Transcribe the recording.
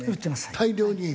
大量に。